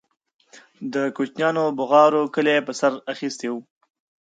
د كوچنيانو بوغارو كلى په سر اخيستى و.